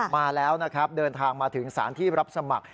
มาแล้วนะครับเดินทางมาถึงสารที่รับสมัคร